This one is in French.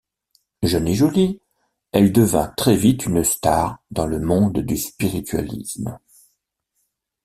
Jeune et jolie, elle devint très vite une star dans le monde du spiritualisme.